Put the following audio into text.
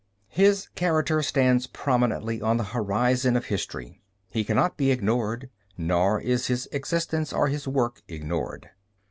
His character stands prominently on the horizon of history. He cannot be ignored, nor is his existence or his work ignored.